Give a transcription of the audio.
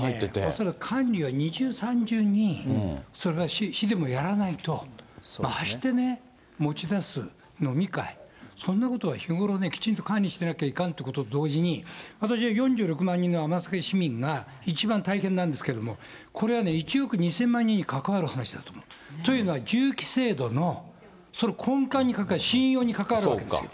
それ、管理は二重三重に、それは市でもやらないと、ましてね、持ち出す、飲み会、そんなことは日頃ね、きちんと管理してなきゃいかんと同時に、私は４６万人の尼崎市民が、一番大変なんですけれども、これはね、１億２０００万人に関わる話だと。というのは、住基制度のその根幹に関わる、信用に関わるわけですよ。